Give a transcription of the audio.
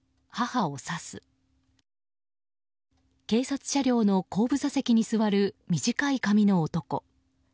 警察車両の後部座席に座る短い髪の男。